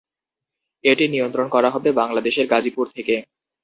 এটি নিয়ন্ত্রণ করা হবে বাংলাদেশের গাজীপুর থেকে।